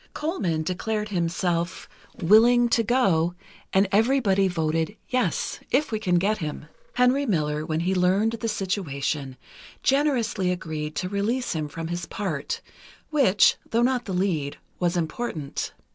Colman declared himself willing to go, and everybody voted "Yes—if we can get him." Henry Miller, when he learned the situation, generously agreed to release him from his part, which, though not the lead, was important.